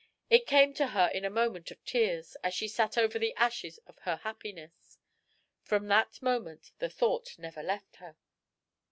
It came to her in a moment of tears, as she sat over the ashes of her happiness. From that moment the thought never left her."